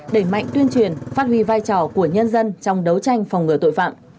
đẩy mạnh tuyên truyền phát huy vai trò của nhân dân trong đấu tranh phòng ngừa tội phạm